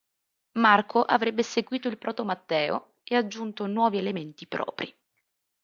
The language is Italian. Marco avrebbe seguito il proto-Matteo e aggiunto nuovi elementi propri.